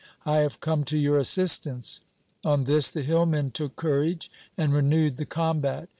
I have come to your assistance.' On this the hillmen took courage and renewed the combat.